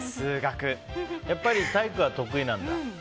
やっぱり体育は得意なんだ。